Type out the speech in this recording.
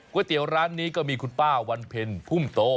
เตี๋ยวร้านนี้ก็มีคุณป้าวันเพ็ญพุ่มโต